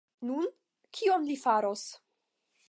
Nun, kion li faros?